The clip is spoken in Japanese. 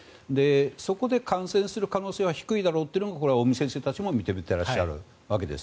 そこで感染する可能性は低いだろうというのはこれは尾身先生たちも認めていらっしゃるわけです。